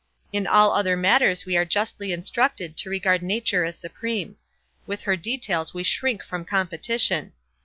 In all other matters we are justly instructed to regard nature as supreme. With her details we shrink from competition.